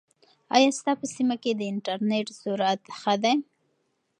ایا ستا په سیمه کې د انټرنیټ سرعت ښه دی؟